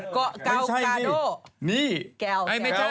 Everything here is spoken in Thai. กาวกาโด